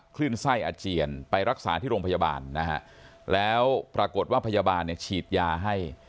คลื่นไส้อาเจียนไปรักษาที่โรงพยาบาลนะฮะแล้วปรากฏว่าพยาบาลเนี่ยฉีดยาให้